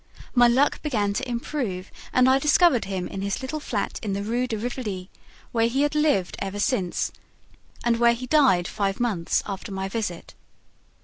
My luck began to improve and I discovered him in his little flat in the Rue de Rivoli, where he had lived ever since and where he died five months after my visit.